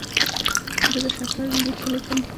زه د شکر لیک لیکم.